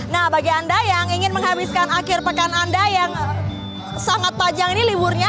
nah bagi anda yang ingin menghabiskan akhir pekan anda yang sangat panjang ini liburnya